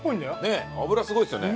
ねえ脂すごいですよね。